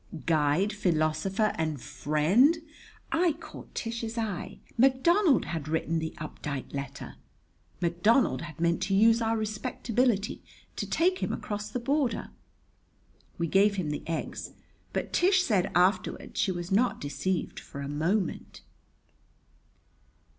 "Guide, philosopher, and friend!" I caught Tish's eye. McDonald had written the Updike letter! McDonald had meant to use our respectability to take him across the border! We gave him the eggs, but Tish said afterward she was not deceived for a moment.